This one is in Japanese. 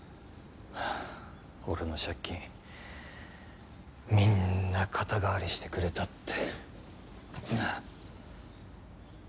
俺の借金みんな肩代わりしてくれたって。